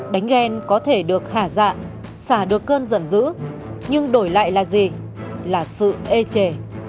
đánh ghen có thể được hạ dạng xả được cơn giận dữ nhưng đổi lại là gì là sự ê chề